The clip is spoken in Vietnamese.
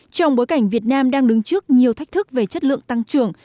trong bối cảnh việt nam đang đứng trước nhiều thách thức về chất lượng tăng trưởng